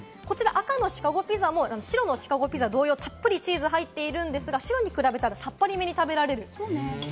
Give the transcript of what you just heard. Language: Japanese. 赤のシカゴピザも白のシカゴピザ同様、たっぷりチーズが入っているんですが、白に比べるとさっぱりめに食べられます。